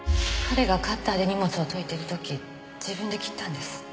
彼がカッターで荷物を解いている時自分で切ったんです。